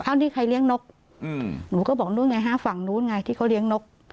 ที่ใครเลี้ยงนกหนูก็บอกนู้นไงฮะฝั่งนู้นไงที่เขาเลี้ยงนก